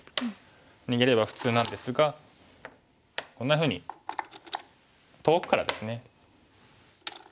逃げれば普通なんですがこんなふうに遠くからですね